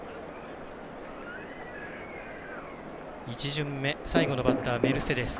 １巡目、最後のバッターメルセデス。